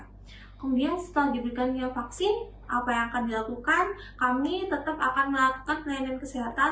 kemudian setelah diberikannya vaksin apa yang akan dilakukan kami tetap akan melakukan pelayanan kesehatan